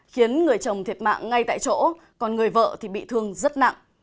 khiến người chồng thiệt mạng ngay tại chỗ còn người vợ thì bị thương rất nặng